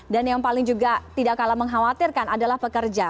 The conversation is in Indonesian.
dan yang paling juga tidak kalah mengkhawatirkan adalah pekerja